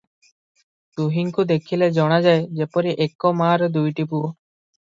ଦୁହିଁଙ୍କୁ ଦେଖିଲେ ଜଣାଯାଏ ଯେପରି ଏକା ମାଆର ଦୁଇଟି ପୁଅ ।